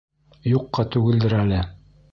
Юҡҡа түгелдер әле.